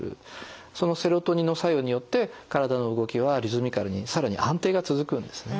そのセロトニンの作用によって体の動きはリズミカルにさらに安定が続くんですね。